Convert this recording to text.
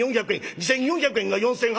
２，４００円が４，８００円。